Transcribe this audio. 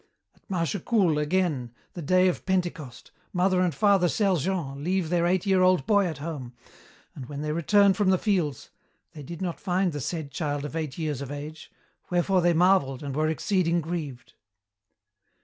"At Mâchecoul, again, the day of Pentecost, mother and father Sergent leave their eight year old boy at home, and when they return from the fields 'they did not find the said child of eight years of age, wherefore they marvelled and were exceeding grieved.'